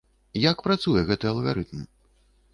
Як працуе гэты алгарытм?